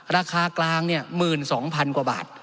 ราคากลาง๑๒๐๐๐กว่าบาท